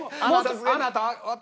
あなた私。